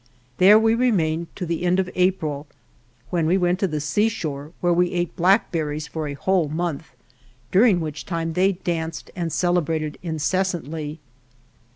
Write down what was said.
There we remained to the end of April, when we went to the seashore, where we ate blackberries for a whole month, dur ing which time they danced and celebrated incessantly.